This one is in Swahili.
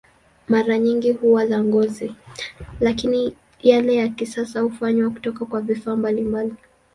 Mara nyingi huwa la ngozi, lakini yale ya kisasa hufanywa kutoka kwa vifaa mbalimbali.